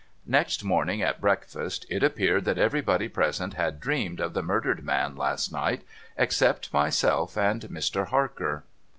Next morning at breakfast, it appeared that everybody present had dreamed of the murdered man last night, except myself and Mr. Harker.